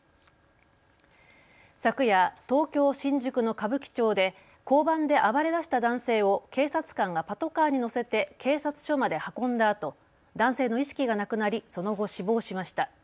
昨夜、東京新宿の歌舞伎町で交番で暴れだした男性を警察官がパトカーに乗せて警察署まで運んだあと男性の意識がなくなりその後、死亡しました。